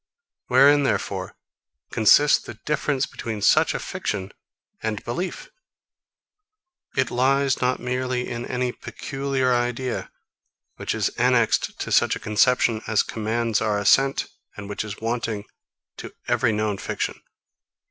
Wherein, therefore, consists the difference between such a fiction and belief? It lies not merely in any peculiar idea, which is annexed to such a conception as commands our assent, and which is wanting to every known fiction.